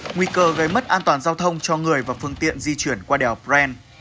nguy cơ gây mất an toàn giao thông cho người và phương tiện di chuyển qua đèo bren